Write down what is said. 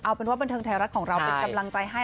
เอาเป็นว่าบันเทิงไทยรัฐของเราเป็นกำลังใจให้